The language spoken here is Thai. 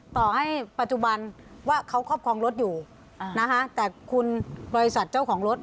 ต่อให้ปัจจุบันว่าเขาครอบครองรถอยู่นะคะแต่คุณบริษัทเจ้าของรถ